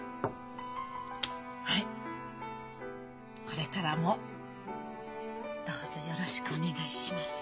これからもどうぞよろしくお願いします。